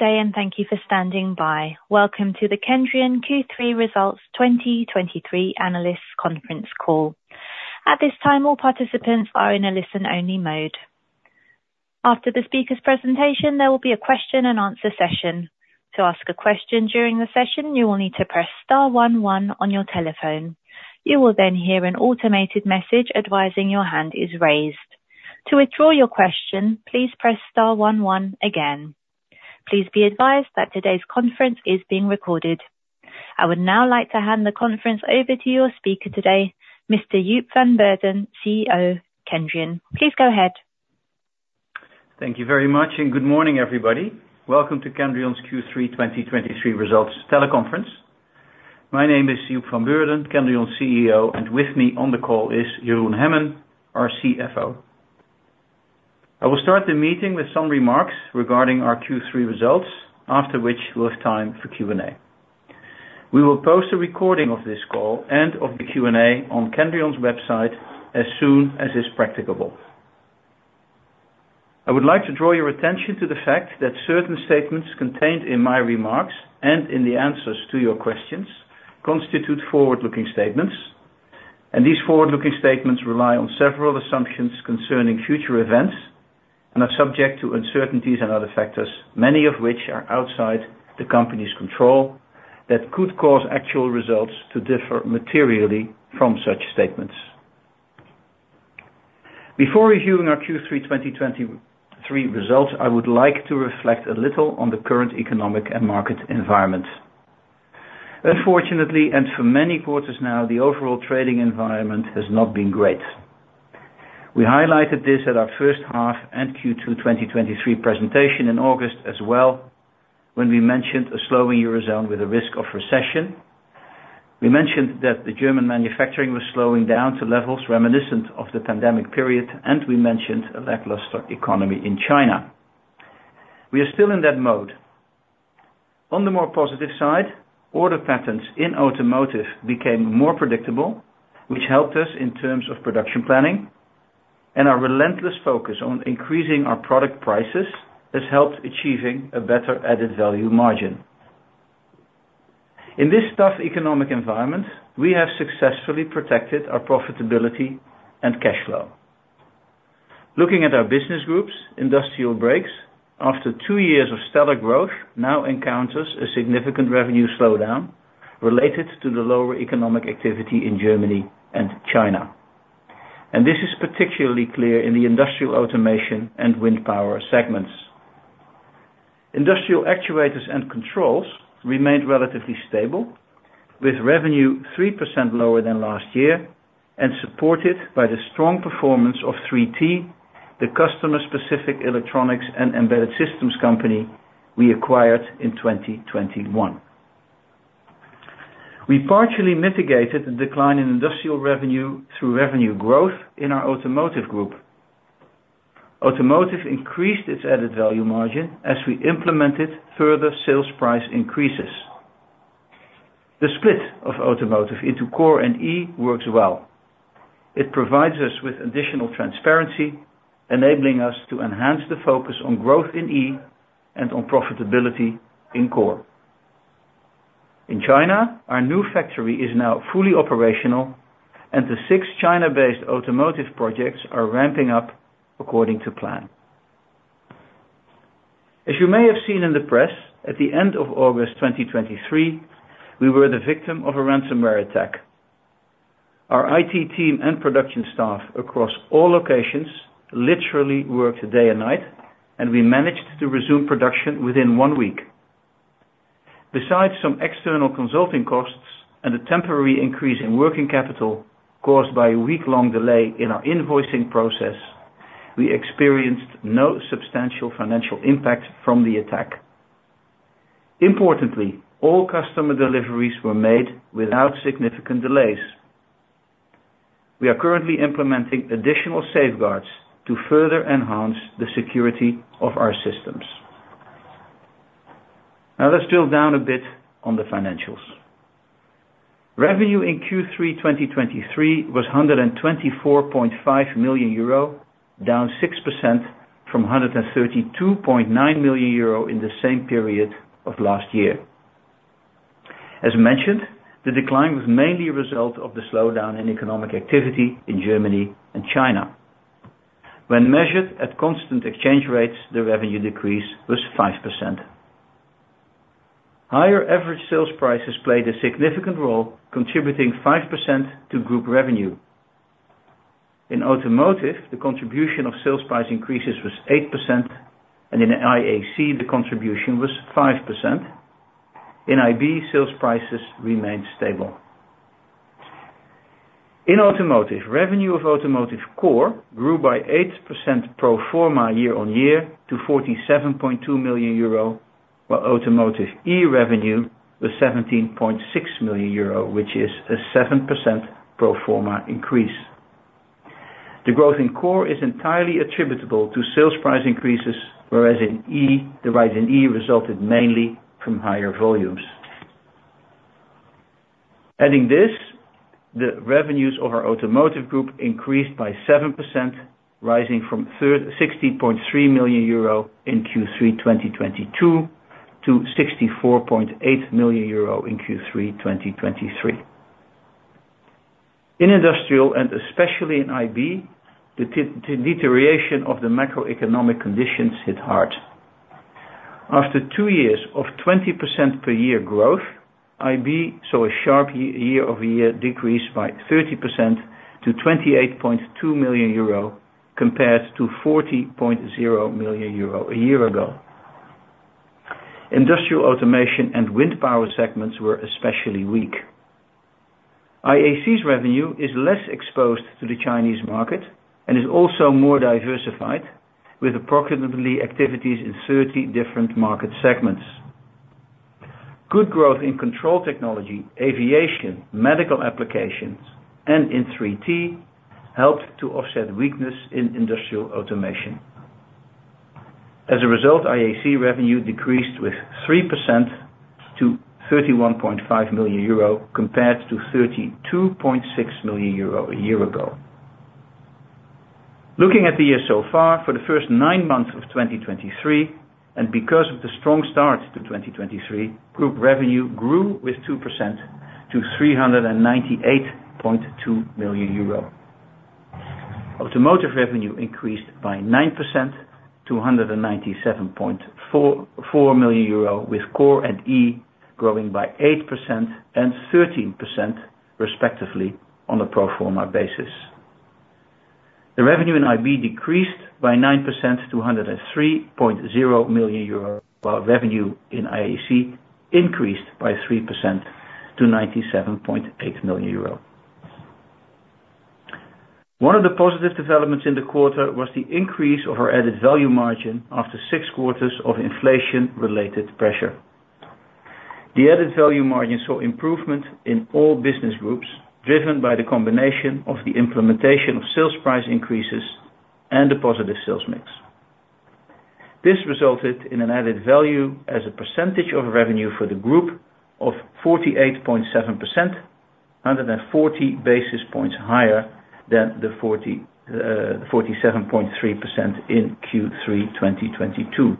Good day, and thank you for standing by. Welcome to the Kendrion Q3 2023 Results analyst conference call. At this time, all participants are in a listen-only mode. After the speaker's presentation, there will be a question and answer session. To ask a question during the session, you will need to press star 1 1 on your telephone. You will then hear an automated message advising your hand is raised. To withdraw your question, please press star 1 1 again. Please be advised that today's conference is being recorded. I would now like to hand the conference over to your speaker today, Mr. Joep van Beurden, CEO, Kendrion. Please go ahead. Thank you very much, and good morning, everybody. Welcome to Kendrion's Q3 2023 results teleconference. My name is Joep van Beurden, Kendrion's CEO, and with me on the call is Jeroen Hemmen, our CFO. I will start the meeting with some remarks regarding our Q3 results, after which we'll have time for Q&A. We will post a recording of this call and of the Q&A on Kendrion's website as soon as is practicable. I would like to draw your attention to the fact that certain statements contained in my remarks and in the answers to your questions constitute forward-looking statements, and these forward-looking statements rely on several assumptions concerning future events and are subject to uncertainties and other factors, many of which are outside the company's control, that could cause actual results to differ materially from such statements. Before reviewing our Q3 2023 results, I would like to reflect a little on the current economic and market environment. Unfortunately, and for many quarters now, the overall trading environment has not been great. We highlighted this at our first half and Q2 2023 presentation in August as well, when we mentioned a slowing Eurozone with a risk of recession. We mentioned that the German manufacturing was slowing down to levels reminiscent of the pandemic period, and we mentioned a lackluster economy in China. We are still in that mode. On the more positive side, order patterns in automotive became more predictable, which helped us in terms of production planning, and our relentless focus on increasing our product prices has helped achieving a better Added Value Margin. In this tough economic environment, we have successfully protected our profitability and cash flow. Looking at our business groups, Industrial Brakes, after 2 years of stellar growth, now encounters a significant revenue slowdown related to the lower economic activity in Germany and China. This is particularly clear in the industrial automation and wind power segments. Industrial Actuators and Controls remained relatively stable, with revenue 3% lower than last year and supported by the strong performance of 3T, the customer-specific electronics and embedded systems company we acquired in 2021. We partially mitigated the decline in industrial revenue through revenue growth in our automotive group. Automotive increased its Added Value Margin as we implemented further sales price increases. The split of automotive into Core and E works well. It provides us with additional transparency, enabling us to enhance the focus on growth in E and on profitability in Core. In China, our new factory is now fully operational, and the six China-based automotive projects are ramping up according to plan. As you may have seen in the press, at the end of August 2023, we were the victim of a ransomware attack. Our IT team and production staff across all locations literally worked day and night, and we managed to resume production within one week. Besides some external consulting costs and a temporary increase in working capital caused by a week-long delay in our invoicing process, we experienced no substantial financial impact from the attack. Importantly, all customer deliveries were made without significant delays. We are currently implementing additional safeguards to further enhance the security of our systems. Now, let's drill down a bit on the financials. Revenue in Q3 2023 was 124.5 million euro, down 6% from 132.9 million euro in the same period of last year. As mentioned, the decline was mainly a result of the slowdown in economic activity in Germany and China. When measured at constant exchange rates, the revenue decrease was 5%. Higher average sales prices played a significant role, contributing 5% to group revenue. In automotive, the contribution of sales price increases was 8%, and in IAC, the contribution was 5%. In IB, sales prices remained stable. In automotive, revenue of Automotive Core grew by 8% pro forma year-on-year to 47.2 million euro, while Automotive EV revenue was 17.6 million euro, which is a 7% pro forma increase. The growth in Core is entirely attributable to sales price increases, whereas in E, the rise in E resulted mainly from higher volumes. Adding this, the revenues of our automotive group increased by 7%, rising from 36.3 million euro in Q3 2022 to 64.8 million euro in Q3 2023. In industrial, and especially in IB, the deterioration of the macroeconomic conditions hit hard. After two years of 20% per year growth, IB saw a sharp year-over-year decrease by 30% to 28.2 million euro, compared to 40.0 million euro a year ago. Industrial automation and wind power segments were especially weak. IAC's revenue is less exposed to the Chinese market and is also more diversified, with approximately activities in 30 different market segments. Good growth in control technology, aviation, medical applications, and in 3T, helped to offset weakness in industrial automation. As a result, IAC revenue decreased with 3% to 31.5 million euro, compared to 32.6 million euro a year ago. Looking at the year so far, for the first 9 months of 2023, and because of the strong start to 2023, group revenue grew with 2% to 398.2 million euro. Automotive revenue increased by 9% to 197.44 million euro, with Core and E growing by 8% and 13% respectively on a pro forma basis. The revenue in IB decreased by 9% to 103.0 million euros, while revenue in IAC increased by 3% to 97.8 million euros. One of the positive developments in the quarter was the increase of our Added Value Margin after six quarters of inflation-related pressure. The Added Value Margin saw improvement in all business groups, driven by the combination of the implementation of sales price increases and the positive sales mix. This resulted in an added value as a percentage of revenue for the group of 48.7%, 140 basis points higher than the 47.3% in Q3 2022.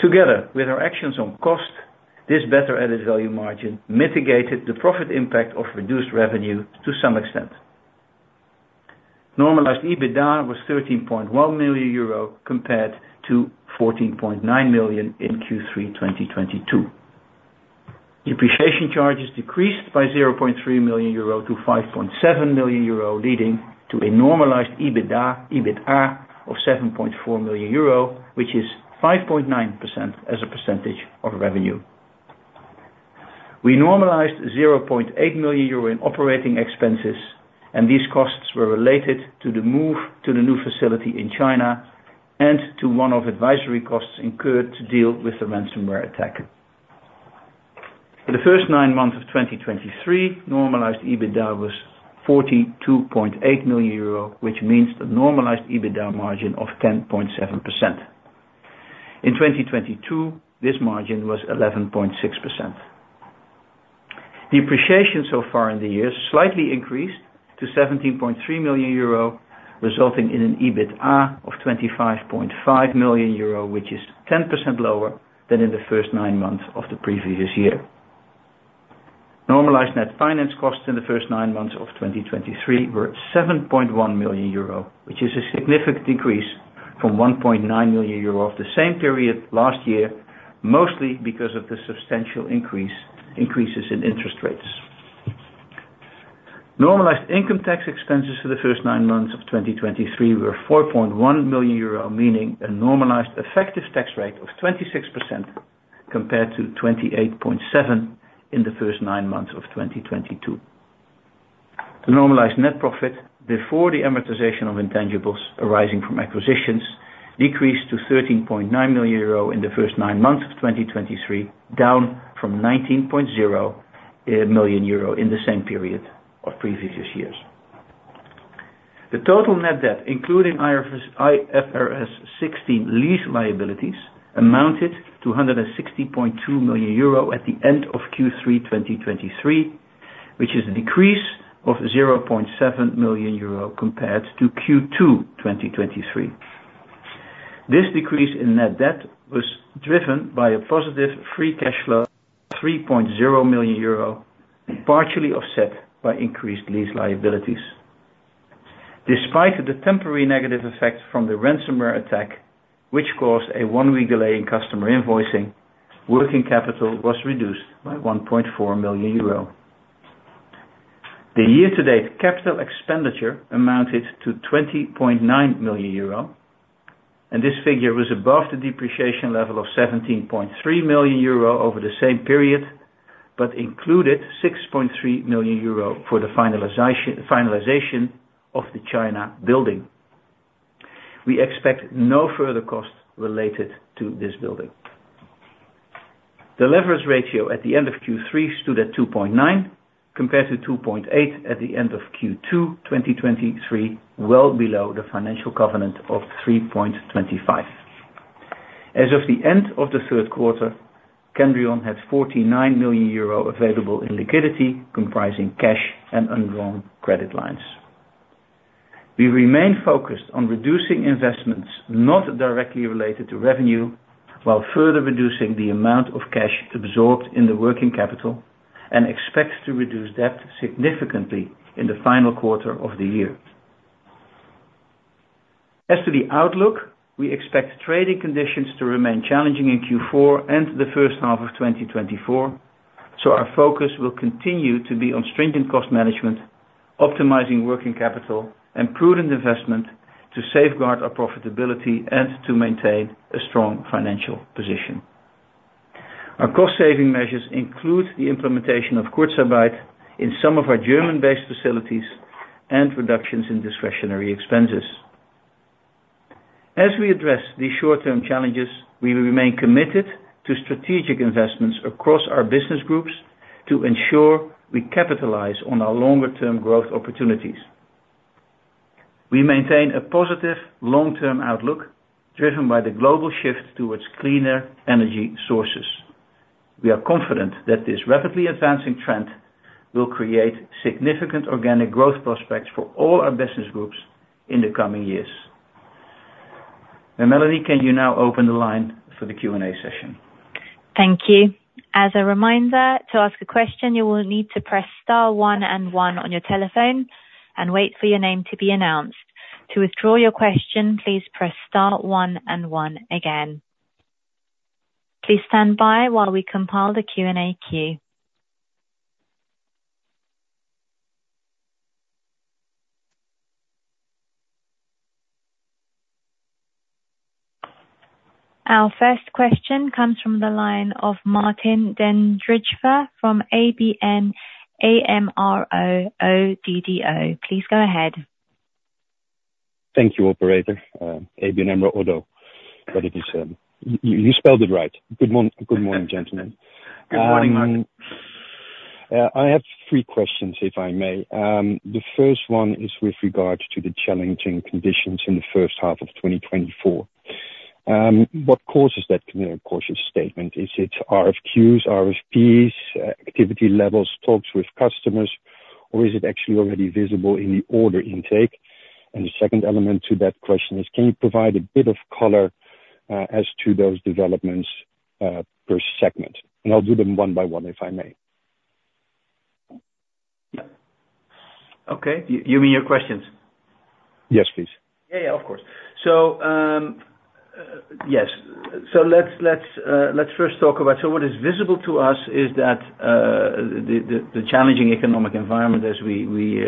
Together with our actions on cost, this better Added Value Margin mitigated the profit impact of reduced revenue to some extent. Normalized EBITDA was 13.1 million euro, compared to 14.9 million in Q3 2022. Depreciation charges decreased by 0.3 million euro to 5.7 million euro, leading to a normalized EBITDA, EBITA, of 7.4 million euro, which is 5.9% as a percentage of revenue. We normalized 0.8 million euro in operating expenses, and these costs were related to the move to the new facility in China and to one-off advisory costs incurred to deal with the ransomware attack. For the first nine months of 2023, normalized EBITDA was 42.8 million euro, which means the normalized EBITDA margin of 10.7%. In 2022, this margin was 11.6%. Depreciation so far in the year, slightly increased to 17.3 million euro, resulting in an EBITA of 25.5 million euro, which is 10% lower than in the first nine months of the previous year. Normalized net finance costs in the first nine months of 2023 were 7.1 million euro, which is a significant decrease from 1.9 million euro of the same period last year, mostly because of the substantial increases in interest rates. Normalized income tax expenses for the first nine months of 2023 were 4.1 million euro, meaning a normalized effective tax rate of 26% compared to 28.7% in the first nine months of 2022. The normalized net profit before the amortization of intangibles arising from acquisitions decreased to 13.9 million euro in the first nine months of 2023, down from 19.0 million euro in the same period of previous years. The total net debt, including IFRS 16 lease liabilities, amounted to 160.2 million euro at the end of Q3 2023, which is a decrease of 0.7 million euro compared to Q2 2023. This decrease in net debt was driven by a positive free cash flow, 3.0 million euro, partially offset by increased lease liabilities. Despite the temporary negative effect from the ransomware attack, which caused a one-week delay in customer invoicing, working capital was reduced by 1.4 million euro. The year-to-date capital expenditure amounted to 20.9 million euro, and this figure was above the depreciation level of 17.3 million euro over the same period, but included 6.3 million euro for the finalization of the China building. We expect no further costs related to this building. The leverage ratio at the end of Q3 stood at 2.9, compared to 2.8 at the end of Q2, 2023, well below the financial covenant of 3.25. As of the end of the third quarter, Kendrion had 49 million euro available in liquidity, comprising cash and undrawn credit lines. We remain focused on reducing investments not directly related to revenue, while further reducing the amount of cash absorbed in the working capital, and expect to reduce debt significantly in the final quarter of the year. As to the outlook, we expect trading conditions to remain challenging in Q4 and the first half of 2024. So our focus will continue to be on strengthening cost management, optimizing working capital and prudent investment to safeguard our profitability and to maintain a strong financial position. Our cost saving measures include the implementation of Kurzarbeit in some of our German-based facilities and reductions in discretionary expenses. As we address these short-term challenges, we will remain committed to strategic investments across our business groups to ensure we capitalize on our longer term growth opportunities. We maintain a positive long-term outlook, driven by the global shift towards cleaner energy sources. We are confident that this rapidly advancing trend will create significant organic growth prospects for all our business groups in the coming years. Now, Melody, can you now open the line for the Q&A session? Thank you. As a reminder, to ask a question, you will need to press star 1 and 1 on your telephone and wait for your name to be announced. To withdraw your question, please press star 1 and 1 again. Please stand by while we compile the Q&A queue. Our first question comes from the line of Martijn den Drijver from ABN AMRO - ODDO BHF. Please go ahead. Thank you, operator. ABN AMRO ODDO, but it is, you spelled it right. Good morning, gentlemen. Good morning, Martin. I have three questions, if I may. The first one is with regard to the challenging conditions in the first half of 2024. What causes that cautious statement? Is it RFQs, RFPs, activity levels, talks with customers, or is it actually already visible in the order intake? And the second element to that question is, can you provide a bit of color, as to those developments, per segment? And I'll do them one by one, if I may. Okay. You mean your questions? Yes, please. Yeah, yeah, of course. So, yes. So let's first talk about... So what is visible to us is that the challenging economic environment as we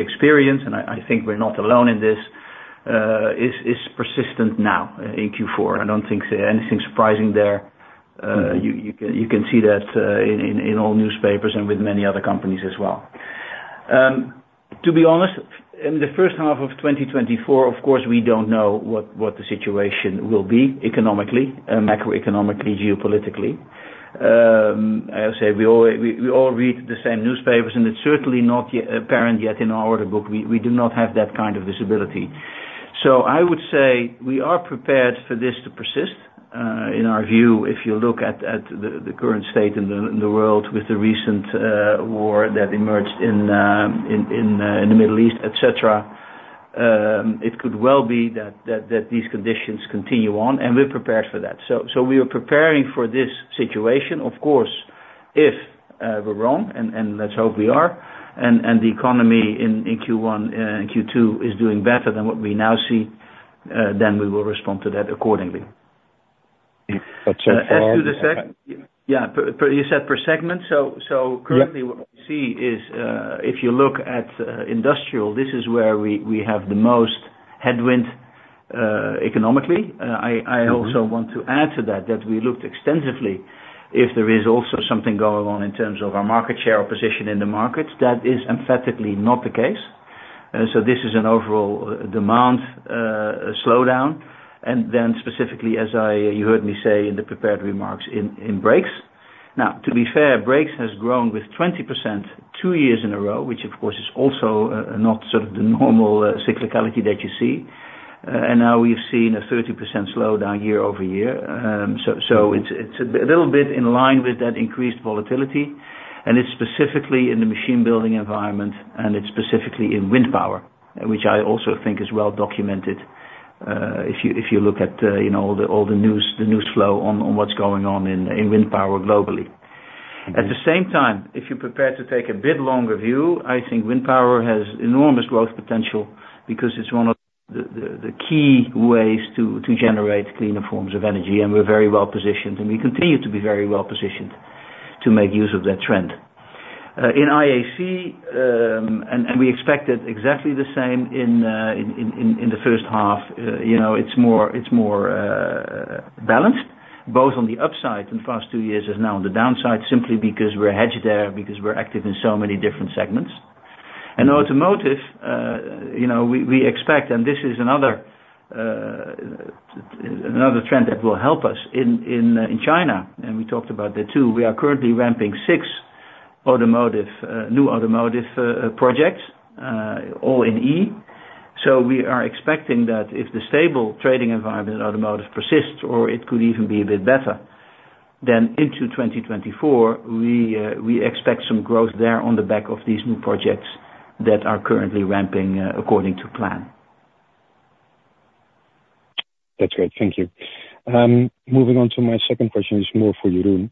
experience, and I think we're not alone in this, is persistent now in Q4. I don't think anything surprising there. You can see that in all newspapers and with many other companies as well. To be honest, in the first half of 2024, of course, we don't know what the situation will be economically, macroeconomically, geopolitically. I would say we all read the same newspapers, and it's certainly not yet apparent in our order book. We do not have that kind of visibility. So I would say we are prepared for this to persist. In our view, if you look at the current state in the world with the recent war that emerged in the Middle East, et cetera, it could well be that these conditions continue on, and we're prepared for that. So we are preparing for this situation. Of course, if we're wrong, and let's hope we are, and the economy in Q1 and Q2 is doing better than what we now see, then we will respond to that accordingly. That's it for- As to the segment? Yeah, you said per segment? Yeah. So, currently what we see is, if you look at industrial, this is where we have the most headwind economically. I- Mm-hmm. Also want to add to that, that we looked extensively if there is also something going on in terms of our market share or position in the market. That is emphatically not the case. So this is an overall demand slowdown, and then specifically, as you heard me say in the prepared remarks in Brakes. Now, to be fair, Brakes has grown with 20% two years in a row, which of course is also not sort of the normal cyclicality that you see. And now we've seen a 30% slowdown year-over-year. So it's a little bit in line with that increased volatility, and it's specifically in the machine building environment, and it's specifically in wind power, which I also think is well documented. If you look at, you know, all the news, the news flow on what's going on in wind power globally. Mm-hmm. At the same time, if you're prepared to take a bit longer view, I think wind power has enormous growth potential because it's one of the key ways to generate cleaner forms of energy, and we're very well positioned, and we continue to be very well positioned to make use of that trend. In IAC, and we expect it exactly the same in the first half. You know, it's more balanced both on the upside in the first 2 years as now on the downside, simply because we're hedged there, because we're active in so many different segments. And automotive, you know, we expect, and this is another trend that will help us in China, and we talked about that too. We are currently ramping six-... automotive, new automotive, projects, all in E. So we are expecting that if the stable trading environment automotive persists, or it could even be a bit better, then into 2024, we, we expect some growth there on the back of these new projects that are currently ramping, according to plan. That's great. Thank you. Moving on to my second question, is more for Jeroen.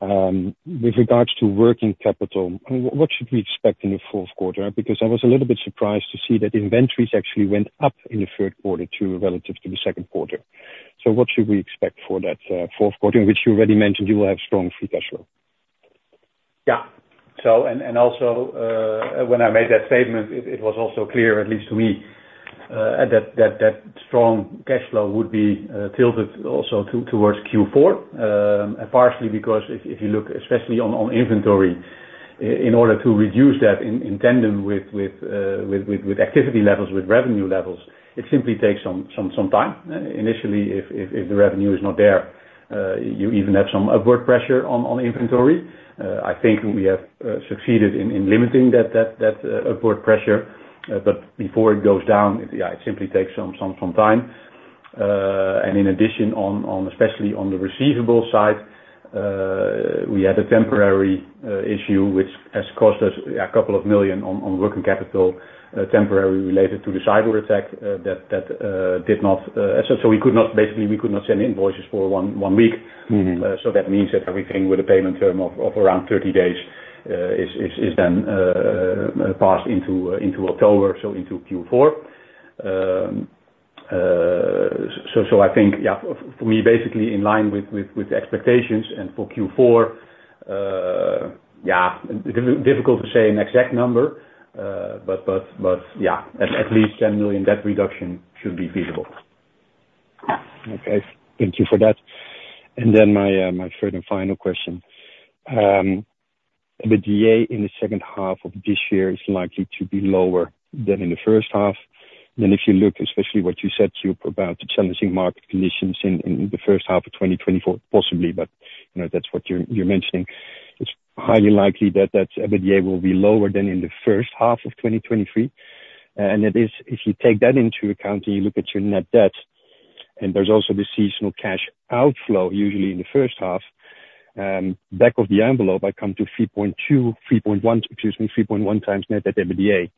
With regards to working capital, what should we expect in the fourth quarter? Because I was a little bit surprised to see that inventories actually went up in the third quarter, too, relative to the second quarter. So what should we expect for that, fourth quarter, in which you already mentioned you will have strong free cash flow? Yeah. So, and also, when I made that statement, it was also clear, at least to me, that strong cash flow would be tilted also towards Q4. Partially because if you look especially on inventory, in order to reduce that in tandem with activity levels, with revenue levels, it simply takes some time. Initially, if the revenue is not there, you even have some upward pressure on inventory. I think we have succeeded in limiting that upward pressure, but before it goes down, yeah, it simply takes some time. In addition, especially on the receivable side, we had a temporary issue which has cost us a couple of million EUR on working capital, temporarily related to the cyber attack. So we could not send invoices for one week. Mm-hmm. So that means that everything with a payment term of around 30 days is then passed into October, so into Q4. So I think, yeah, for me, basically in line with the expectations and for Q4, yeah, difficult to say an exact number, but yeah, at least 10 million, that reduction should be feasible. Okay. Thank you for that. Then my third and final question. The EBITDA in the second half of this year is likely to be lower than in the first half. Then if you look, especially what you said, Joep, about the challenging market conditions in the first half of 2024, possibly, but, you know, that's what you're, you're mentioning, it's highly likely that that EBITDA will be lower than in the first half of 2023. And it is, if you take that into account and you look at your net debt, and there's also the seasonal cash outflow, usually in the first half, back of the envelope, I come to 3.2, 3.1, excuse me, 3.1 times net debt to EBITDA.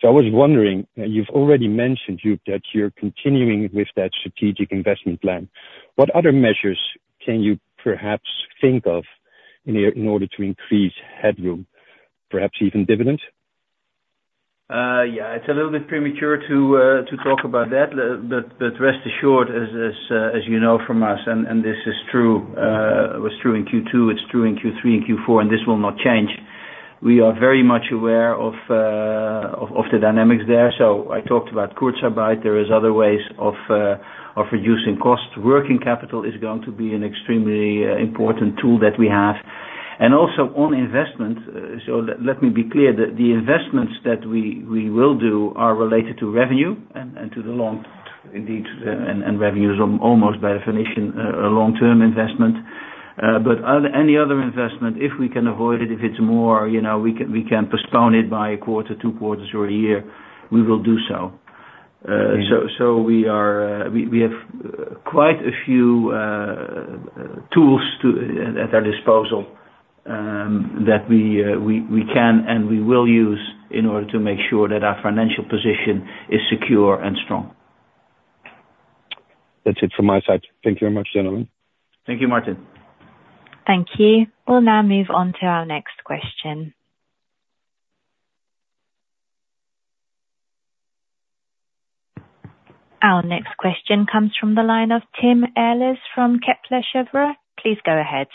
So I was wondering, you've already mentioned, Joep, that you're continuing with that strategic investment plan. What other measures can you perhaps think of in order to increase headroom, perhaps even dividends? Yeah, it's a little bit premature to talk about that, but rest assured, as you know from us, and this is true, was true in Q2, it's true in Q3 and Q4, and this will not change. We are very much aware of the dynamics there. So I talked about Kurzarbeit. There is other ways of reducing costs. Working capital is going to be an extremely important tool that we have, and also on investment. So let me be clear, that the investments that we will do are related to revenue and to the long, indeed, and revenue is almost by definition a long-term investment. But other, any other investment, if we can avoid it, if it's more, you know, we can, we can postpone it by a quarter, two quarters, or a year, we will do so. Mm-hmm. So, we have quite a few tools at our disposal that we can and we will use in order to make sure that our financial position is secure and strong. That's it from my side. Thank you very much, gentlemen. Thank you, Martin. Thank you. We'll now move on to our next question. Our next question comes from the line of Timo Ellis from Kepler Cheuvreux. Please go ahead.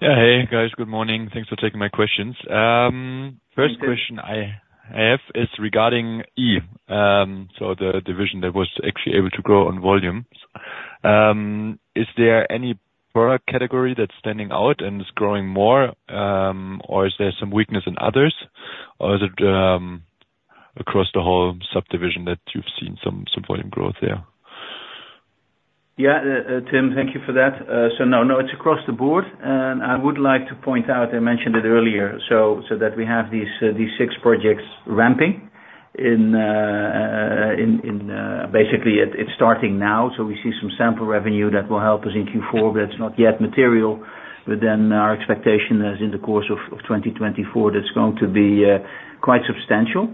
Yeah. Hey, guys. Good morning. Thanks for taking my questions. Thank you. First question I have is regarding E, so the division that was actually able to grow on volumes. Is there any product category that's standing out and is growing more, or is there some weakness in others? Or is it across the whole subdivision that you've seen some volume growth there? Yeah, Tim, thank you for that. So no, no, it's across the board, and I would like to point out, I mentioned it earlier, so that we have these six projects ramping in, basically, it's starting now. So we see some sample revenue that will help us in Q4, but it's not yet material. But then our expectation is in the course of 2024, that's going to be quite substantial.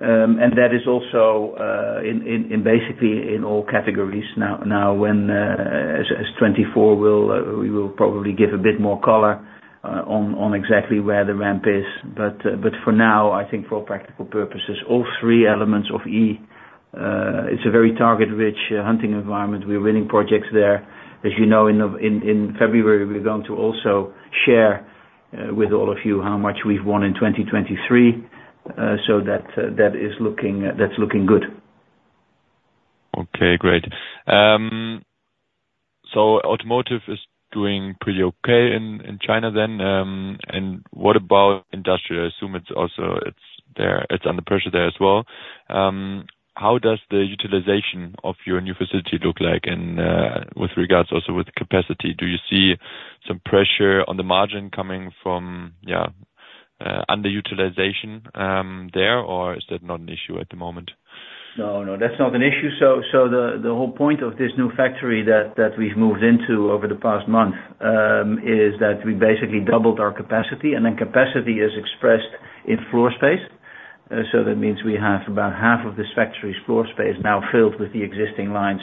And that is also basically in all categories. Now, when as 2024 will, we will probably give a bit more color on exactly where the ramp is. But for now, I think for all practical purposes, all three elements of E, it's a very target-rich hunting environment. We're winning projects there. As you know, in February, we're going to also share with all of you how much we've won in 2023, so that is looking, that's looking good. Okay, great. So automotive is doing pretty okay in China then, and what about industrial? I assume it's also there, it's under pressure there as well. How does the utilization of your new facility look like? And with regards also with capacity, do you see some pressure on the margin coming from underutilization there, or is that not an issue at the moment? No, no, that's not an issue. So the whole point of this new factory that we've moved into over the past month is that we basically doubled our capacity, and then capacity is expressed in floor space. So that means we have about half of this factory's floor space now filled with the existing lines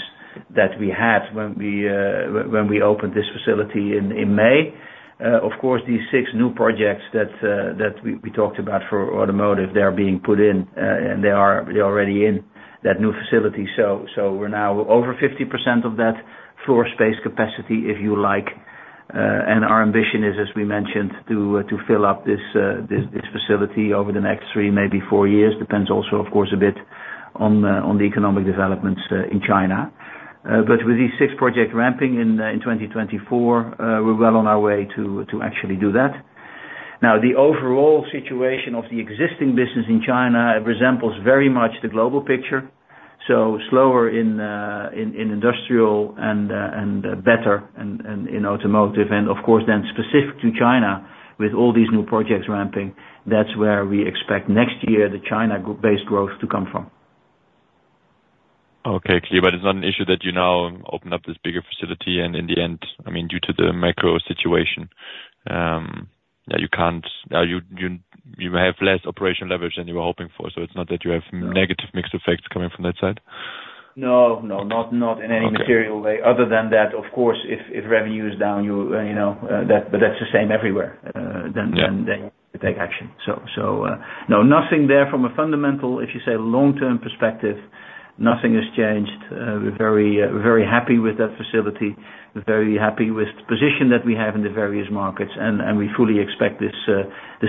that we had when we opened this facility in May. Of course, these six new projects that we talked about for automotive, they're being put in, and they're already in that new facility. So we're now over 50% of that floor space capacity, if you like. And our ambition is, as we mentioned, to fill up this facility over the next three, maybe four years. Depends also, of course, a bit on the economic developments in China. But with these six project ramping in 2024, we're well on our way to actually do that. Now, the overall situation of the existing business in China resembles very much the global picture. So slower in industrial and better in automotive. And of course, then specific to China, with all these new projects ramping, that's where we expect next year, the China-based growth to come from. Okay, clear. But it's not an issue that you now open up this bigger facility, and in the end, I mean, due to the macro situation, that you can't... you have less operational leverage than you were hoping for, so it's not that you have- No. negative mixed effects coming from that side? No, no, not, not in any- Okay... material way. Other than that, of course, if revenue is down, you know that, but that's the same everywhere. Yeah... than to take action. So, no, nothing there from a fundamental, if you say, long-term perspective, nothing has changed. We're very, very happy with that facility, very happy with the position that we have in the various markets, and we fully expect this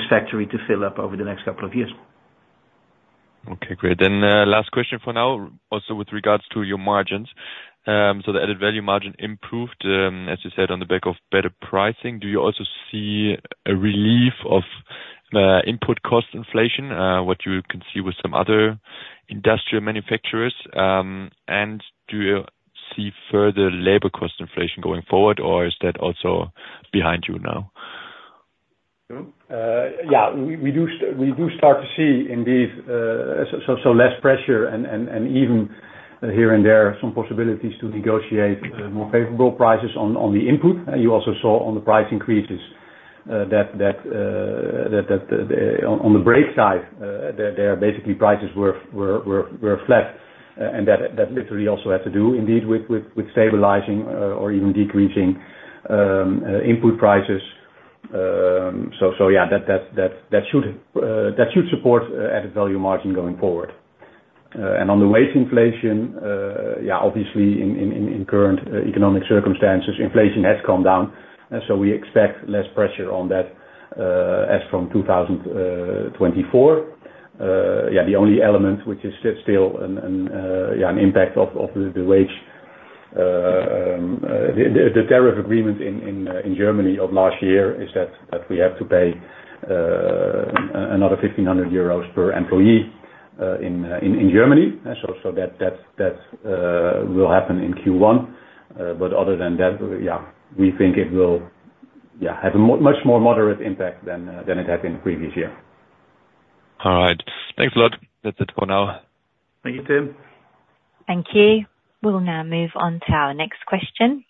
factory to fill up over the next couple of years. Okay, great. Then, last question for now, also with regards to your margins. So the Added Value Margin improved, as you said, on the back of better pricing. Do you also see a relief of input cost inflation, what you can see with some other industrial manufacturers? And do you see further labor cost inflation going forward, or is that also behind you now? Yeah, we do start to see indeed, less pressure and even here and there, some possibilities to negotiate more favorable prices on the input. And you also saw on the price increases, that on the brake side, that there are basically prices were flat, and that literally also had to do indeed, with stabilizing or even decreasing input prices. So yeah, that should support Added Value Margin going forward. And on the wage inflation, yeah, obviously in current economic circumstances, inflation has come down, and so we expect less pressure on that, as from 2024. Yeah, the only element which is still an impact of the wage tariff agreement in Germany of last year is that we have to pay another 1,500 euros per employee in Germany. So that will happen in Q1. But other than that, yeah, we think it will have a much more moderate impact than it had been the previous year. All right. Thanks a lot. That's it for now. Thank you, Tim. Thank you. We'll now move on to our next question.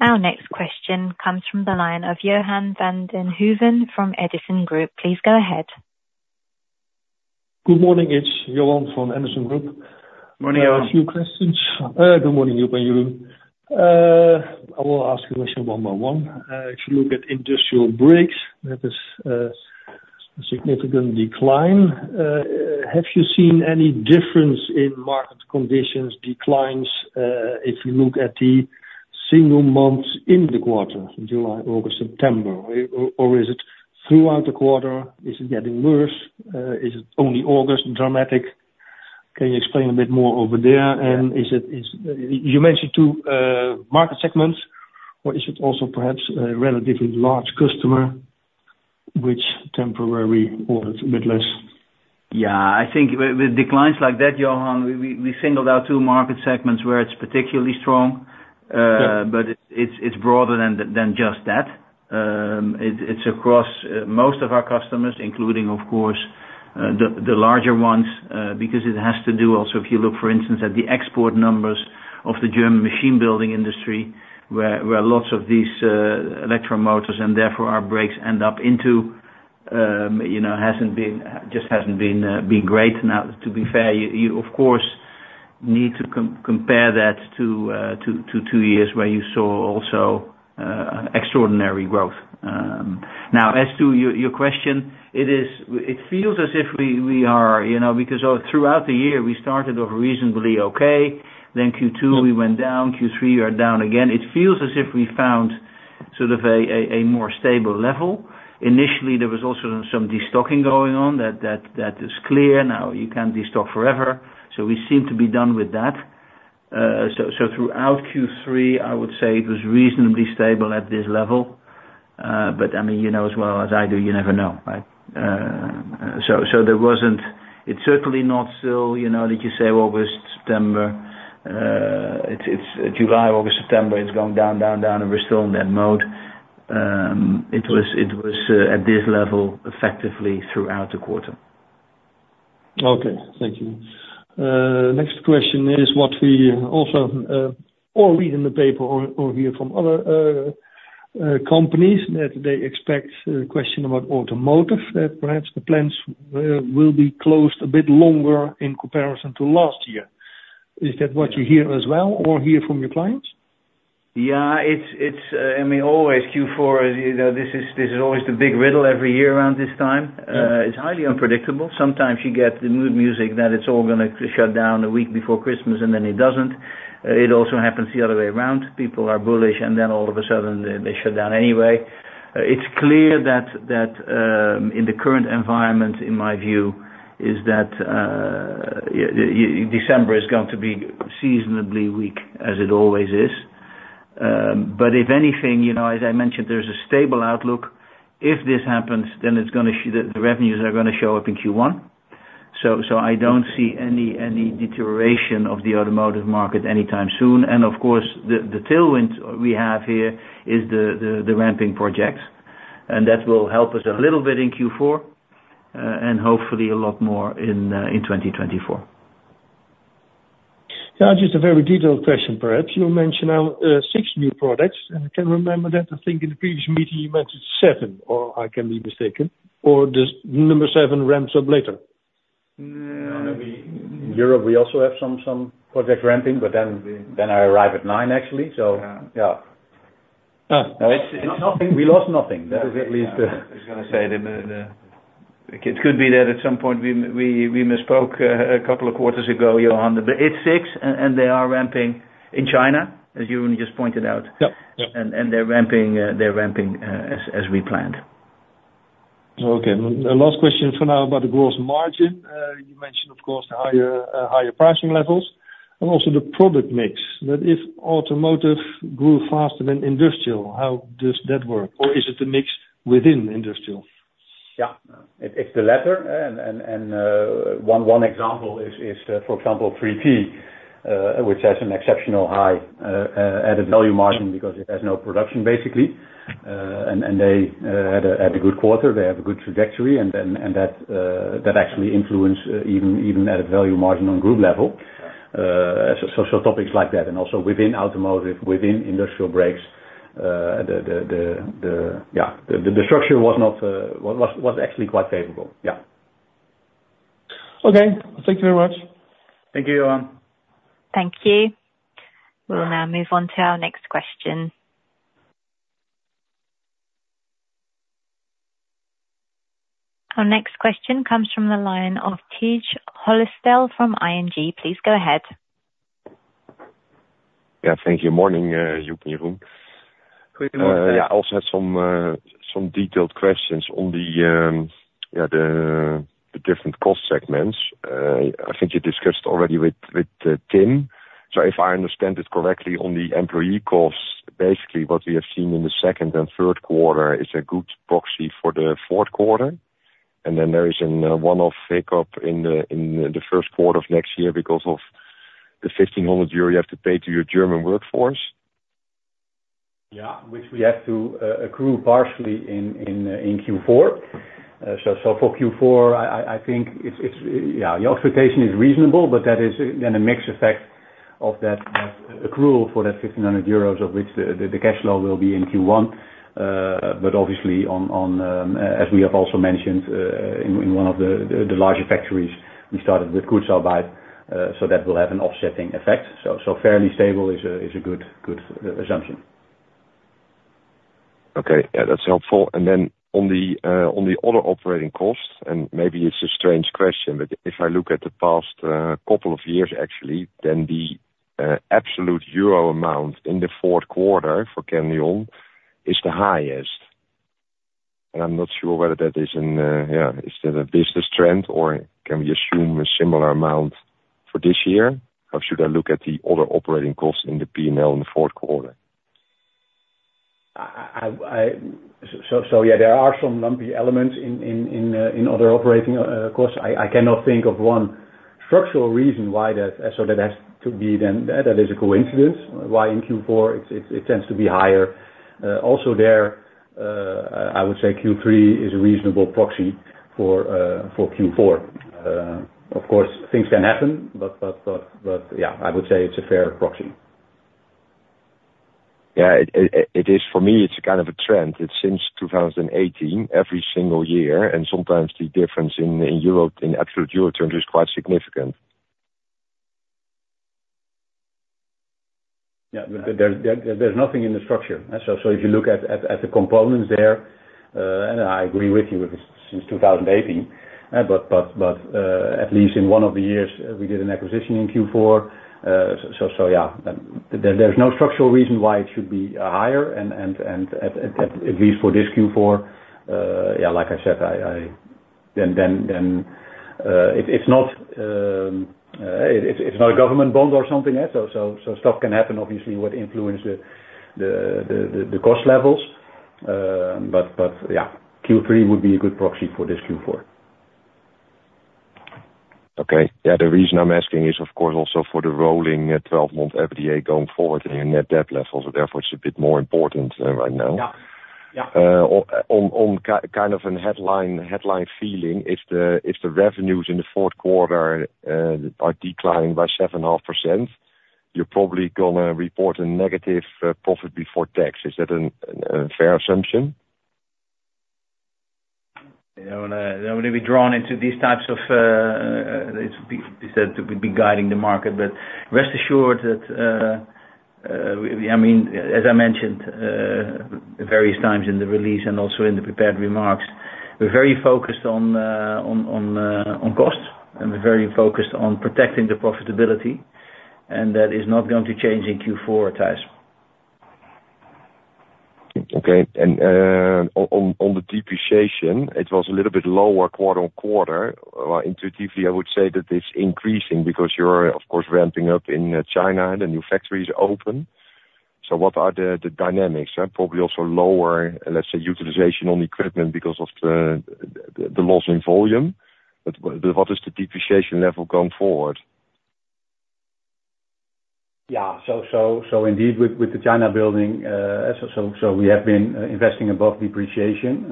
Our next question comes from the line of Johan van den Hooven from Edison Group. Please go ahead. Good morning, it's Johan from Edison Group. Morning, Johan. I have a few questions. Good morning, Jeroen. I will ask you question one by one. If you look at Industrial Brakes, that is a significant decline. Have you seen any difference in market conditions declines, if you look at the single months in the quarter, July, August, September? Or is it throughout the quarter? Is it getting worse? Is it only August, dramatic? Can you explain a bit more over there? Yeah. And is it you mentioned two market segments, or is it also perhaps a relatively large customer which temporarily orders a bit less? Yeah, I think with declines like that, Johan, we singled out two market segments where it's particularly strong. Yeah. But it's, it's broader than the, than just that. It, it's across, most of our customers, including, of course, the, the larger ones, because it has to do also, if you look, for instance, at the export numbers of the German machine building industry, where lots of these, electromotors and therefore our brakes end up into, you know, hasn't been, just hasn't been, been great. Now, to be fair, you, you, of course, need to compare that to, to, to two years where you saw also, extraordinary growth. Now, as to your, your question, it is... It feels as if we, we are, you know, because, throughout the year, we started off reasonably okay, then Q2- Mm... we went down, Q3 we are down again. It feels as if we found sort of a more stable level. Initially, there was also some destocking going on, that is clear. Now, you can't destock forever, so we seem to be done with that.... So throughout Q3, I would say it was reasonably stable at this level. But I mean, you know as well as I do, you never know, right? So there wasn't. It's certainly not still, you know, that you say August, September, it's July, August, September, it's going down, down, down, and we're still in that mode. It was at this level effectively throughout the quarter. Okay, thank you. Next question is what we also all read in the paper or hear from other companies, that they expect a question about automotive. That perhaps the plants will be closed a bit longer in comparison to last year. Is that what you hear as well, or hear from your clients? Yeah, it's, it's, I mean, always Q4, you know, this is, this is always the big riddle every year around this time. It's highly unpredictable. Sometimes you get the mood music that it's all gonna shut down a week before Christmas, and then it doesn't. It also happens the other way around. People are bullish, and then all of a sudden they shut down anyway. It's clear that in the current environment, in my view, is that December is going to be seasonably weak, as it always is. But if anything, you know, as I mentioned, there's a stable outlook. If this happens, then it's gonna the revenues are gonna show up in Q1. So I don't see any deterioration of the automotive market anytime soon. And of course, the tailwind we have here is the ramping projects, and that will help us a little bit in Q4, and hopefully a lot more in 2024. Now, just a very detailed question, perhaps. You mentioned 6 new products, and I can remember that I think in the previous meeting you mentioned 7, or I can be mistaken, or does number 7 ramps up later? In Europe, we also have some project ramping, but then I arrive at nine, actually. So, yeah. Ah. It's nothing, we lost nothing. That is at least I was gonna say, it could be that at some point we misspoke a couple of quarters ago, Johan, but it's six, and they are ramping in China, as you just pointed out. Yep. They're ramping as we planned. Okay. Last question for now about the gross margin. You mentioned, of course, the higher, higher pricing levels and also the product mix, that if automotive grew faster than industrial, how does that work? Or is it a mix within industrial? Yeah, it's the latter. And one example is, for example, 3T, which has an exceptionally high Added Value Margin because it has no production, basically. And they had a good quarter, they have a good trajectory, and that actually influenced even the Added Value Margin on group level. So topics like that, and also within Automotive, within Industrial Brakes, the structure was actually quite favorable. Yeah. Okay. Thank you very much. Thank you, Johan. Thank you. We'll now move on to our next question. Our next question comes from the line of Tijs Hollestelle from ING. Please go ahead. Yeah, thank you. Morning, Joep, Jeroen. Good morning. Yeah, I also had some detailed questions on the different cost segments. I think you discussed already with Timo. So if I understand this correctly, on the employee costs, basically what we have seen in the second and third quarter is a good proxy for the fourth quarter. And then there is an one-off makeup in the first quarter of next year because of the 1,500 euro you have to pay to your German workforce. Yeah, which we have to accrue partially in Q4. So for Q4, I think it's yeah, your expectation is reasonable, but that is then a mixed effect of that accrual for that 1,500 euros, of which the cash flow will be in Q1. But obviously on, as we have also mentioned, in one of the larger factories, we started with Kurzarbeit, so that will have an offsetting effect. So fairly stable is a good assumption. Okay, yeah, that's helpful. And then on the, on the other operating costs, and maybe it's a strange question, but if I look at the past, couple of years, actually, then the, absolute euro amount in the fourth quarter for Kendrion is the highest. And I'm not sure whether that is in, yeah, is that a business trend, or can we assume a similar amount for this year? Or should I look at the other operating costs in the P&L in the fourth quarter? So yeah, there are some lumpy elements in other operating costs. I cannot think of one structural reason why that. So that has to be then, that is a coincidence why in Q4 it tends to be higher. Also, I would say Q3 is a reasonable proxy for Q4. Of course, things can happen, but yeah, I would say it's a fair proxy. Yeah, it is—for me, it's kind of a trend. It's since 2018, every single year, and sometimes the difference in euro, in absolute euro terms, is quite significant. Yeah, but there's nothing in the structure. So if you look at the components there, and I agree with you with this, since 2018, but at least in one of the years, we did an acquisition in Q4. So yeah, there's no structural reason why it should be higher and at least for this Q4, yeah, like I said. Then it’s not a government bond or something else, so stuff can happen, obviously, what influence the cost levels. But yeah, Q3 would be a good proxy for this Q4. Okay. Yeah, the reason I'm asking is, of course, also for the rolling 12-month EBITDA going forward and your net debt levels, so therefore it's a bit more important, right now. Yeah. Yeah. On a kind of headline feeling, if the revenues in the fourth quarter are declining by 7.5%, you're probably gonna report a negative profit before tax. Is that a fair assumption? You know, I don't want to be drawn into these types of, it would be guiding the market, but rest assured that, I mean, as I mentioned various times in the release and also in the prepared remarks, we're very focused on costs, and we're very focused on protecting the profitability, and that is not going to change in Q4, Tijs. Okay. And on the depreciation, it was a little bit lower quarter-on-quarter. Intuitively, I would say that it's increasing because you're, of course, ramping up in China, and the new factories are open. So what are the dynamics? And probably also lower, let's say, utilization on equipment because of the loss in volume. But what is the depreciation level going forward? Yeah. So indeed, with the China building, we have been investing above depreciation.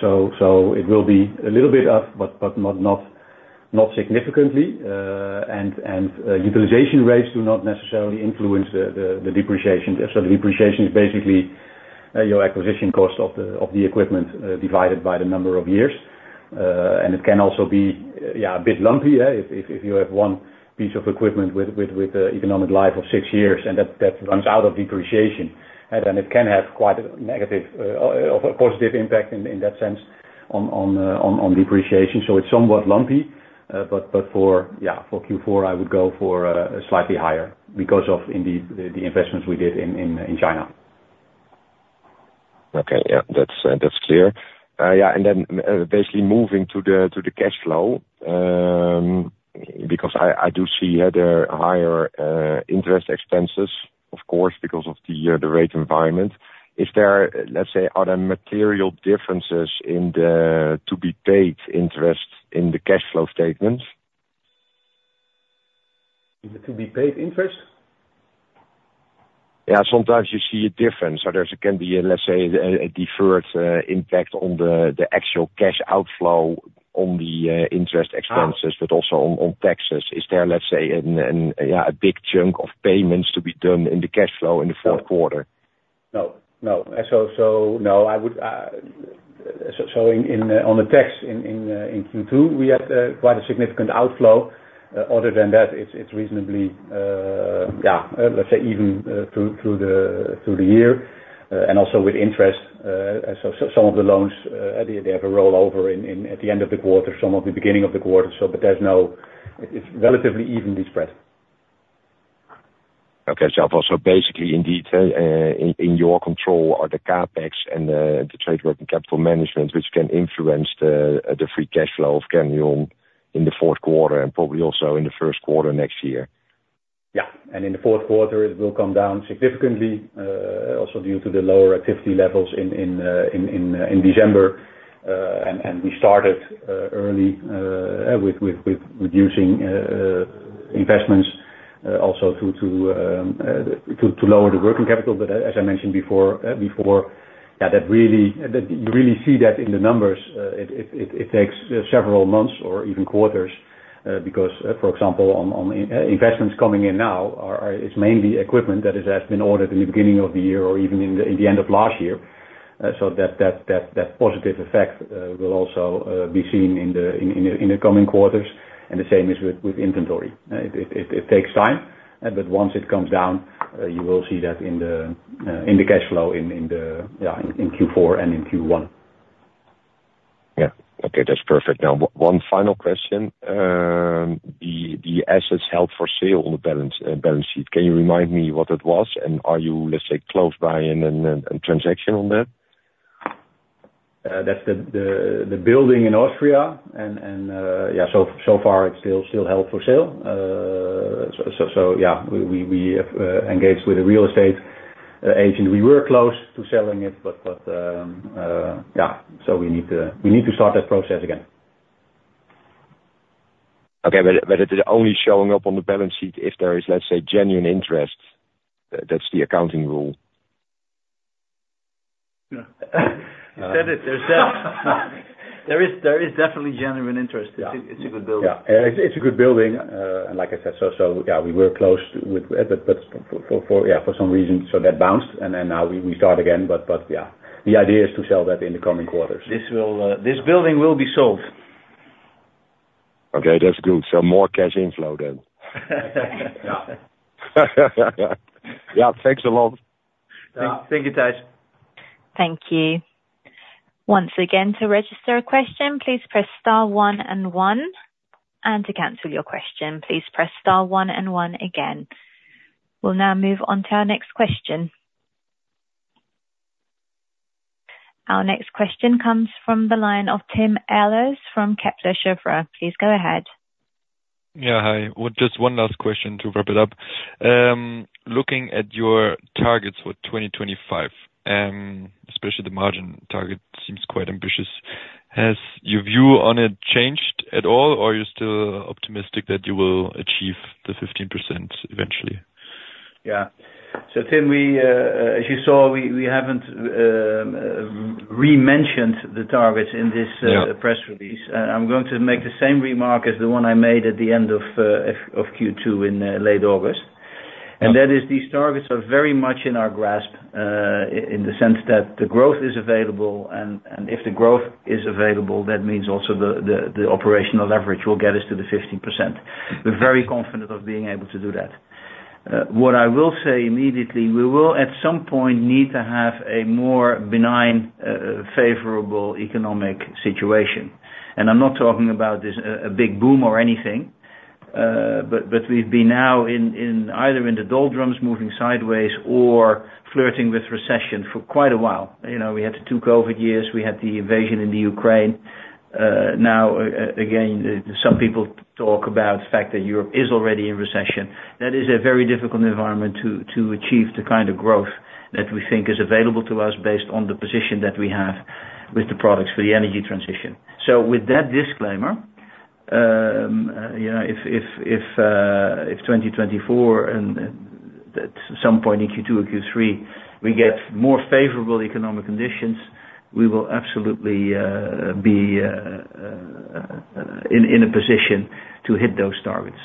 So it will be a little bit up, but not significantly. And utilization rates do not necessarily influence the depreciation. So the depreciation is basically your acquisition cost of the equipment divided by the number of years. And it can also be, yeah, a bit lumpy, yeah, if you have one piece of equipment with economic life of six years, and that runs out of depreciation, and then it can have quite a negative or a positive impact in that sense on depreciation. It's somewhat lumpy, but yeah, for Q4, I would go for slightly higher because of indeed the investments we did in China. Okay. Yeah, that's, that's clear. Yeah, and then, basically moving to the, to the cash flow, because I, I do see the higher, interest expenses, of course, because of the, the rate environment. Is there, let's say, are there material differences in the to-be-paid interest in the cash flow statements? In the to-be-paid interest? Yeah. Sometimes you see a difference. So there can be a, let's say, a deferred impact on the actual cash outflow on the interest expenses- Ah. but also on taxes. Is there, let's say, an yeah, a big chunk of payments to be done in the cash flow in the fourth quarter? No, no. So, no, I would... So in on the tax in Q2, we had quite a significant outflow. Other than that, it's reasonably, yeah, let's say, even through the year, and also with interest. So some of the loans, they have a rollover in at the end of the quarter, some of the beginning of the quarter, so but there's no... It's relatively evenly spread. Okay, Jaap, so basically in detail, in your control are the CapEx and the trade working capital management, which can influence the free cash flow of Cameo in the fourth quarter and probably also in the first quarter next year. Yeah. And in the fourth quarter, it will come down significantly, also due to the lower activity levels in December. And we started early with reducing investments, also to lower the working capital. But as I mentioned before, yeah, that really, you really see that in the numbers. It takes several months or even quarters, because, for example, on investments coming in now are. It's mainly equipment that has been ordered in the beginning of the year or even in the end of last year. So that positive effect will also be seen in the coming quarters, and the same is with inventory. It takes time, but once it comes down, you will see that in the cash flow, yeah, in Q4 and in Q1. Yeah. Okay, that's perfect. Now, one final question: the assets held for sale on the balance sheet, can you remind me what it was, and are you, let's say, close by in transaction on that? That's the building in Austria, and yeah, so far it's still held for sale. So yeah, we have engaged with a real estate agent. We were close to selling it, but yeah, so we need to start that process again. Okay, but it is only showing up on the balance sheet if there is, let's say, genuine interest. That's the accounting rule. Yeah. You said it. There's that. There is, there is definitely genuine interest. Yeah. It's a good building. Yeah. It's a good building, and like I said, so, yeah, we were close with... But for, yeah, for some reason, so that bounced, and then now we start again. But yeah, the idea is to sell that in the coming quarters. This building will be sold. Okay, that's good. So more cash inflow then. Yeah. Yeah. Thanks a lot. Yeah. Thank you, Tijs. Thank you. Once again, to register a question, please press star 1 and 1, and to cancel your question, please press star 1 and 1 again. We'll now move on to our next question. Our next question comes from the line of Timo Ellis from Kepler Cheuvreux. Please go ahead. Yeah, hi. Well, just one last question to wrap it up. Looking at your targets for 2025, especially the margin target seems quite ambitious. Has your view on it changed at all, or are you still optimistic that you will achieve the 15% eventually? Yeah. So Tim, as you saw, we haven't rementioned the targets in this, Yeah... press release. I'm going to make the same remark as the one I made at the end of Q2 in late August. Yeah. That is, these targets are very much in our grasp, in the sense that the growth is available, and, and if the growth is available, that means also the operational leverage will get us to the 15%. We're very confident of being able to do that. What I will say immediately, we will, at some point, need to have a more benign, favorable economic situation. And I'm not talking about this, a big boom or anything, but, but we've been now in, in, either in the doldrums, moving sideways, or flirting with recession for quite a while. You know, we had the two COVID years, we had the invasion in the Ukraine. Now, again, some people talk about the fact that Europe is already in recession. That is a very difficult environment to achieve the kind of growth that we think is available to us based on the position that we have with the products for the energy transition. So with that disclaimer, you know, if 2024, and at some point in Q2 or Q3, we get more favorable economic conditions, we will absolutely be in a position to hit those targets.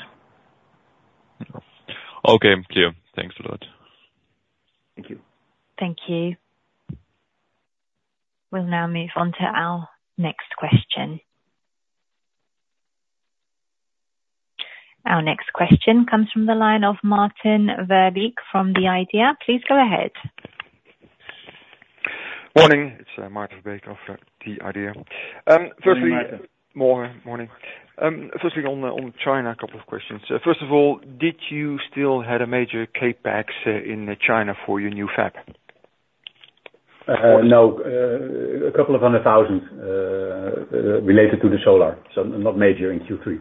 Okay, clear. Thanks a lot. Thank you. Thank you. We'll now move on to our next question. Our next question comes from the line of Maarten Verbeek from The Idea. Please go ahead. Morning, it's Maarten Verbeek of The Idea. Firstly- Good morning, Maarten. Morning, morning. Firstly, on China, a couple of questions. First of all, did you still have a major CapEx in China for your new fab? No, 200,000 related to solar. So not major in Q3.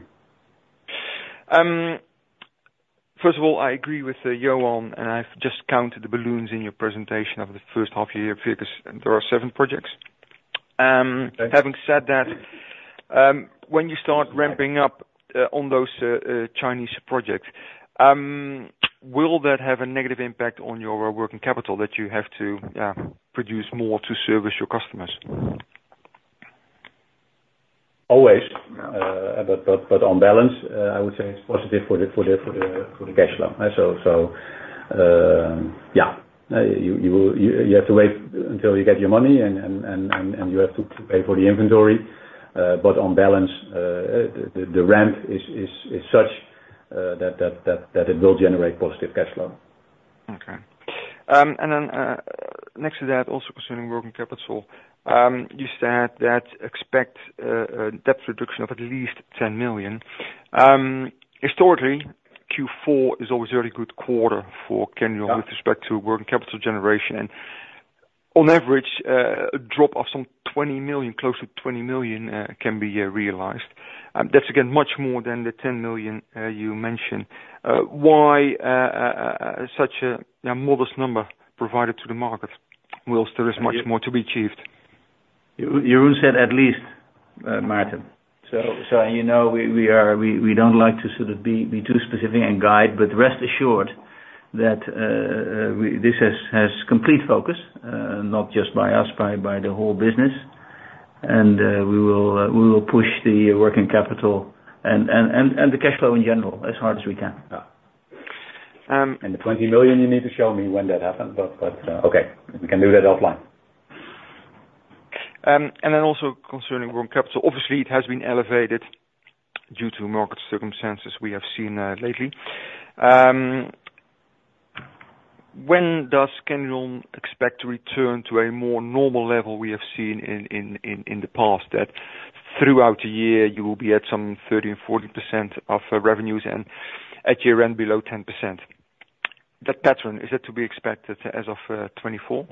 First of all, I agree with Johan, and I've just counted the balloons in your presentation of the first half year, because there are seven projects. Okay. Having said that, when you start ramping up on those Chinese projects, will that have a negative impact on your working capital that you have to produce more to service your customers? Always. But on balance, I would say it's positive for the cash flow. So, yeah, you will have to wait until you get your money and you have to pay for the inventory, but on balance, the ramp is such that it will generate positive cash flow. Okay. And then, next to that, also concerning working capital, you said that expect debt reduction of at least 10 million. Historically, Q4 is always a very good quarter for Kendrion- Yeah... with respect to working capital generation. And on average, a drop of some 20 million, close to 20 million, can be realized. That's again, much more than the 10 million you mentioned. Why such a modest number provided to the market, whilst there is much more to be achieved? Jeroen said, at least, Maarten. So, you know, we are, we don't like to sort of be too specific and guide, but rest assured that this has complete focus, not just by us, by the whole business. And, we will push the working capital and the cash flow in general, as hard as we can. Yeah. Um- The 20 million, you need to show me when that happened, but okay, we can do that offline. And then also concerning working capital, obviously it has been elevated due to market circumstances we have seen lately. When does Kendrion expect to return to a more normal level we have seen in the past, that throughout the year you will be at some 30%-40% of revenues and at year-end, below 10%? That pattern, is it to be expected as of 2024?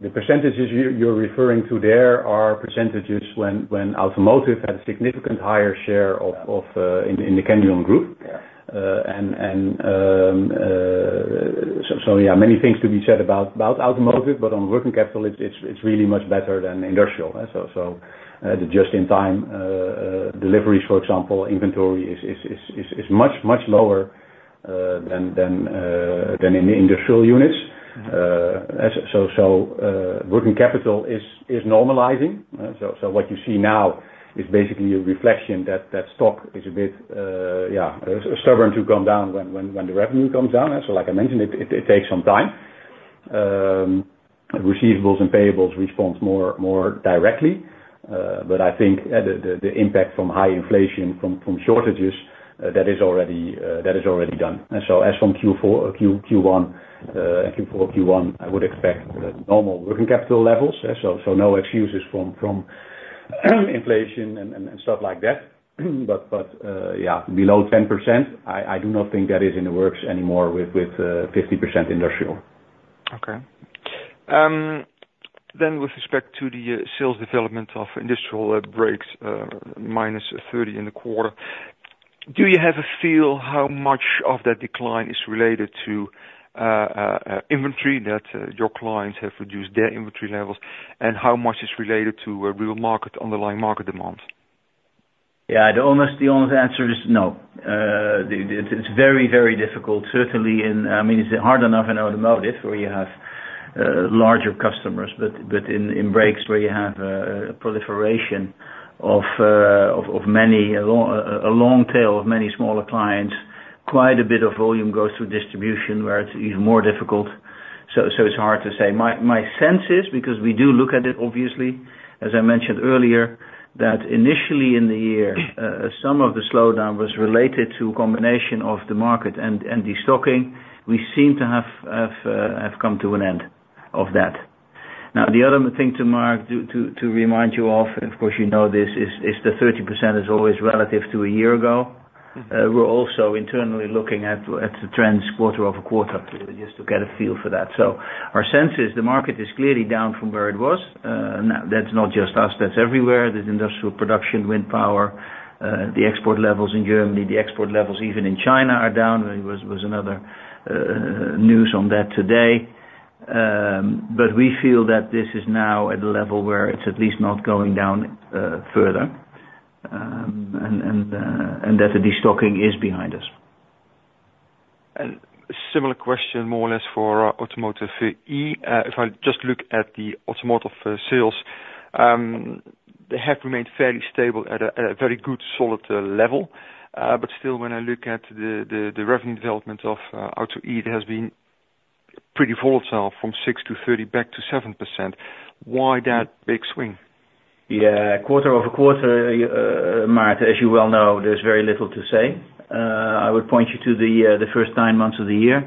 The percentages you're referring to there are percentages when automotive had a significantly higher share of in the Kendrion Group. Yeah. And so yeah, many things to be said about automotive, but on working capital, it's really much better than industrial. So, just-in-time deliveries, for example, inventory is much lower than in the industrial units. Mm-hmm. So, working capital is normalizing. So what you see now is basically a reflection that stock is a bit, yeah, stubborn to come down when the revenue comes down. So like I mentioned, it takes some time. Receivables and payables responds more directly, but I think the impact from high inflation, from shortages, that is already done. And so as from Q4, Q1, I would expect normal working capital levels. So no excuses from inflation and stuff like that. But yeah, below 10%, I do not think that is in the works anymore with 50% industrial. Okay. Then with respect to the sales development of Industrial Brakes, -30% in the quarter, do you have a feel how much of that decline is related to inventory that your clients have reduced their inventory levels, and how much is related to real market underlying market demand? Yeah, the honest, the honest answer is no. It's very, very difficult, certainly in, I mean, it's hard enough in automotive where you have larger customers, but in brakes, where you have a proliferation of many, a long tail of many smaller clients. Quite a bit of volume goes through distribution, where it's even more difficult. So it's hard to say. My sense is, because we do look at it, obviously, as I mentioned earlier, that initially in the year, some of the slowdown was related to a combination of the market and destocking. We seem to have come to an end of that. Now, the other thing to Mark, to remind you of, and of course you know this, is the 30% is always relative to a year ago. Mm-hmm. We're also internally looking at the trends quarter-over-quarter, just to get a feel for that. So our sense is the market is clearly down from where it was. Now, that's not just us, that's everywhere. There's industrial production, wind power, the export levels in Germany, the export levels even in China are down. There was another news on that today. But we feel that this is now at a level where it's at least not going down further, and that the destocking is behind us. Similar question, more or less for Automotive EV. If I just look at the automotive sales, they have remained fairly stable at a very good, solid level. But still, when I look at the revenue development of Auto EV, it has been pretty volatile, from 6% to 30% back to 7%. Why that big swing? Yeah. Quarter over quarter, Mark, as you well know, there's very little to say. I would point you to the, the first nine months of the year,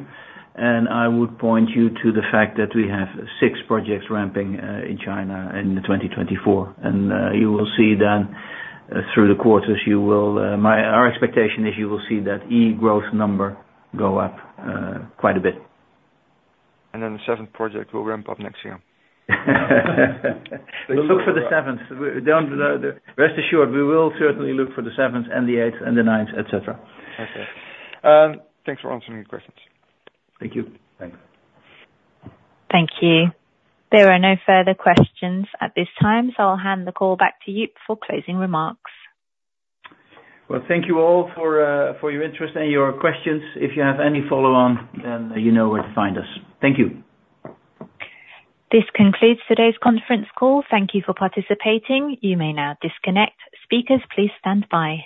and I would point you to the fact that we have six projects ramping, in China in 2024. And, you will see then, through the quarters, you will... My, our expectation is you will see that EV growth number go up, quite a bit. And then the seventh project will ramp up next year? We'll look for the seventh. We don't, rest assured, we will certainly look for the seventh, and the eighth, and the ninth, et cetera. Okay. Thanks for answering the questions. Thank you. Thanks. Thank you. There are no further questions at this time, so I'll hand the call back to you for closing remarks. Well, thank you all for your interest and your questions. If you have any follow-on, then you know where to find us. Thank you. This concludes today's conference call. Thank you for participating. You may now disconnect. Speakers, please stand by.